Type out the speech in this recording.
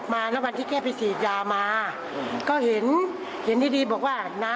มึงแว้งอย่างไรที่บ้าน